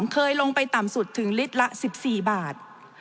เคยลงไปต่ำสุดถึงลิตรละ๑๔บาท